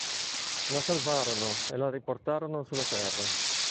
La salvarono e la riportarono sulla Terra.